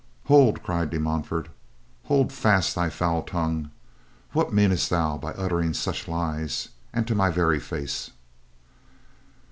"Hold," cried De Montfort. "Hold fast thy foul tongue. What meanest thou by uttering such lies, and to my very face?"